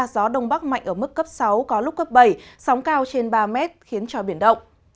gió đông bắc mạnh ở mức cấp sáu có lúc cấp bảy sóng cao trên ba mét khiến cho biển động